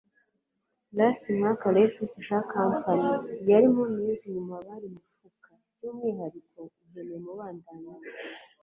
Last mwaka Levi Jean Company yari mu News Nyumabari mufuka, By'umwihariko igenewe Mubandanye iki?